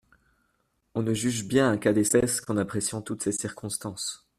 On ne juge bien un cas d’espèce qu’en appréciant toutes ses circonstances.